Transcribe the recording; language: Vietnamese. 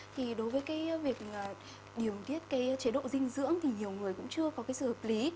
thì đối với cái việc điều tiết cái chế độ dinh dưỡng thì nhiều người cũng chưa có cái sự hợp lý